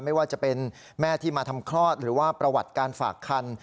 ไม่ว่าจะเป็นแม่ที่มาทำคลอดหรือว่าประวัติการฝากคัน